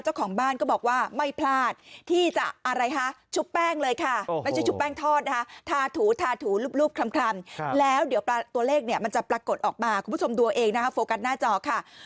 เจ้าของบ้านก็บอกว่าไม่พลาดที่จะอะไรฮะชุบแป้งเลยค่ะไม่ใช่ชุบแป้งทอดนะคะทาถูทาถูรูปคลำแล้วเดี๋ยวตัวเลขเนี่ยมันจะปรากฏออกมาคุณผู้ชมดูเอาเองนะคะโฟกัสหน้าจอค่ะ